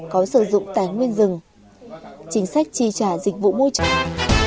có sử dụng tài nguyên rừng chính sách tri trả dịch vụ môi trường